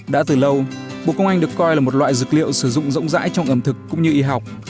đã từ lâu bộ công anh được coi là một loại dược liệu sử dụng rộng rãi trong ẩm thực cũng như y học